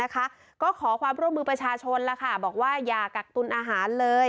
ก็ขอความร่วมมือประชาชนบอกว่าอย่ากักตุลอาหารเลย